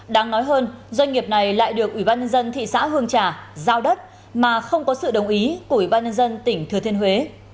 đáng nói hơn doanh nghiệp này lại được ủy ban nhân dân thị xã hương trà giao đất mà không có sự đồng ý của ủy ban nhân dân tỉnh thừa thiên huế